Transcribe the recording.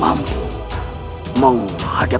saya bilang itu untuk anda